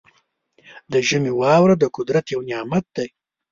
د ژمي واوره د قدرت یو نعمت دی.